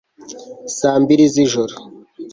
Saa mbiri z ijoro